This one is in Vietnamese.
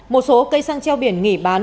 một số cây xăng treo biển nghỉ bán